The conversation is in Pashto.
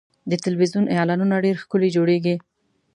د تلویزیون اعلانونه ډېر ښکلي جوړېږي.